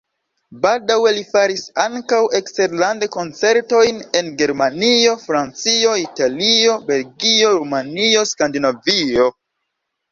Baldaŭe li faris ankaŭ eksterlande koncertojn en Germanio, Francio, Italio, Belgio, Rumanio, Skandinavio.